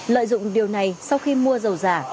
lợi dụng điều này sau khi mua dầu giả